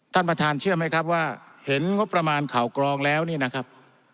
ท่านประธานเชื่อไหมครับว่าเห็นงบประมาณข่าวกรองแล้วนี่นะครับ